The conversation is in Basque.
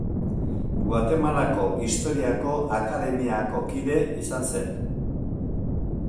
Guatemalako Historiako Akademiako kide izan zen.